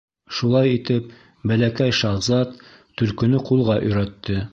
Шулай итеп Бәләкәй шаһзат Төлкөнө ҡулға өйрәтте.